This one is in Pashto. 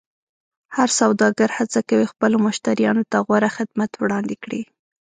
هر سوداګر هڅه کوي خپلو مشتریانو ته غوره خدمت وړاندې کړي.